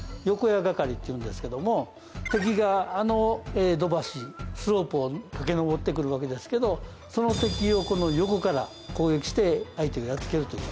矢掛っていうんですけども敵が、あの土橋、スロープを駆け上ってくるわけですけどその敵を横から攻撃して相手をやっつけるという。